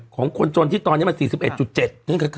ของคนจนที่ตอนนี้มัน๔๑๗